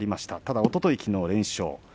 ただ、おととい、きのうと連勝。